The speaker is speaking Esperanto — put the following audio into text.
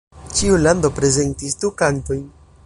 Ĉiu lando prezentis du kantojn.